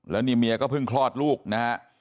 แล้วนี่เมียก็เพิ่งคลอดลูกนะฮะ